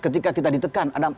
ketika kita ditekan ada